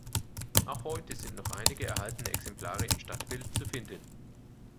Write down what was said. Auch heute sind noch einige erhaltene Exemplare im Stadtbild zu finden.